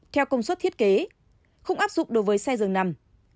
theo công suất thiết kế không áp dụng đối với xe dường nằm